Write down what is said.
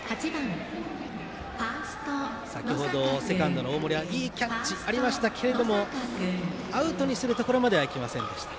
先ほどセカンドの大森いいキャッチがありましたけれどもアウトにするところまではいきませんでした。